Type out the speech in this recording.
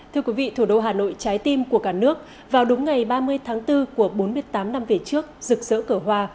thưa quý vị thủ đô hà nội trái tim của cả nước vào đúng ngày ba mươi tháng bốn của bốn mươi tám năm về trước rực rỡ cờ hoa